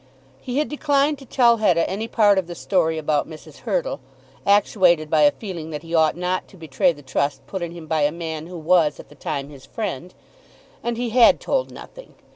He had declined to tell Hetta any part of the story about Mrs. Hurtle, actuated by a feeling that he ought not to betray the trust put in him by a man who was at the time his friend; and he had told nothing.